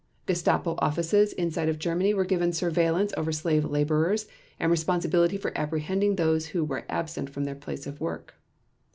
Gestapo offices inside of Germany were given surveillance over slave laborers and responsibility for apprehending those who were absent from their place of work.